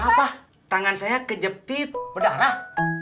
apa tangan saya kejepit berdarah